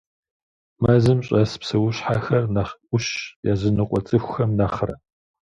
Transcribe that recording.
Мэзым щӀэс псэущхьэхэр нэхъ Ӏущщ языныкъуэ цӏыхухэм нэхърэ.